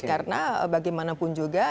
karena bagaimanapun juga